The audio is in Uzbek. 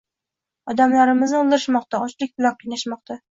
Odamlarimizni o‘ldirishmoqda, ochlik bilan qiynashmoqda